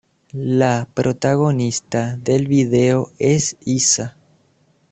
La protagonista del video es Isa.